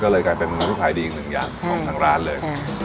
ก็เลยกลายเป็นเมนูที่ขายดีอีกหนึ่งอย่างของทางร้านเลย